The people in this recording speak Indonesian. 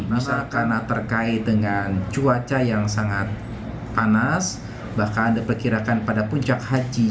masa karena terkait dengan cuaca yang sangat panas bahkan diperkirakan pada puncak haji